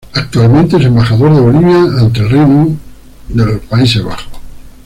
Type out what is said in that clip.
Actualmente es Embajador de Bolivia ante el Reino de los Países Bajos.